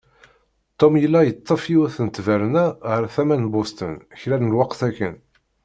Tom yella yeṭṭef yiwet n ttberna ɣer tama n Bosten kra n lweqt akken.